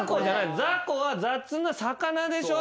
ざこは雑な魚でしょ。